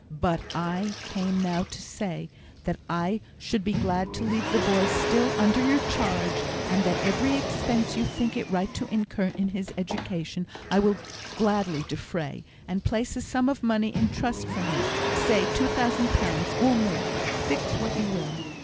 But I came now to say, that I should be glad to leave the boy still under your charge, and that every expense you think it right to incur in his education I will defray; and place a sum of money in trust for him say, two thousand pounds or more: fix what you will.